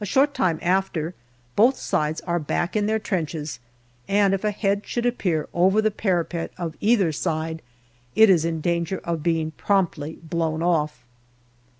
A short time after, both sides are back in their trenches, and if a head should appear over the parapet of either side it is in danger of being promptly blown off.